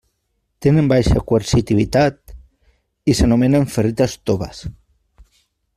Tenen baixa coercitivitat i s'anomenen ferrites toves.